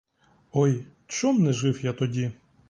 Ой, чом не жив я тоді?